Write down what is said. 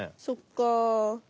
そっか。